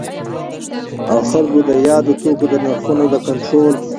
او خلګو د یادو توکو د نرخونو د کنټرول